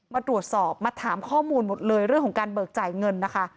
มาตรวจสอบมาถามข้อมูลหมดเลยเรื่องของการเบิกจ่ายเงินนะคะ